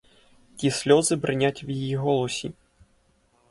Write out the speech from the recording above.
Ті сльози бринять в її голосі.